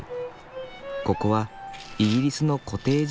ここはイギリスのコテージガーデン風。